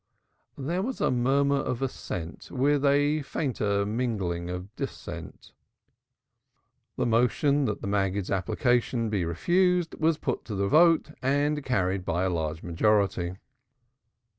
There was a murmur of assent with a fainter mingling of dissent. The motion that the Maggid's application be refused was put to the vote and carried by a large majority.